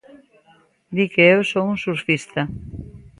Di que eu son un surfista.